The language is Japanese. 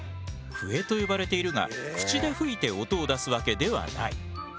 笛と呼ばれているが口で吹いて音を出すわけではない。